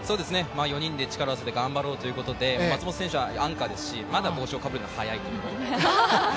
４人で力を合わせて頑張ろうということで、松元選手はアンカーですし、まだ帽子をかぶるのは早いってことで。